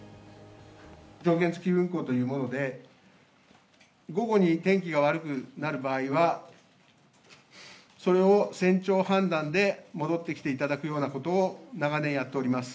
条件付き運航というもので、午後に天気が悪くなる場合は、それを船長判断で戻ってきていただくようなことを、長年やっております。